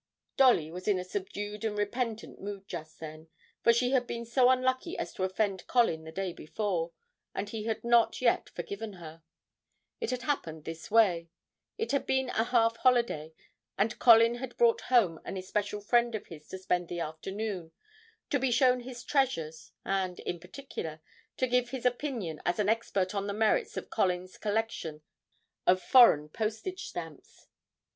Dolly was in a subdued and repentant mood just then, for she had been so unlucky as to offend Colin the day before, and he had not yet forgiven her. It had happened in this way. It had been a half holiday, and Colin had brought home an especial friend of his to spend the afternoon, to be shown his treasures and, in particular, to give his opinion as an expert on the merits of Colin's collection of foreign postage stamps.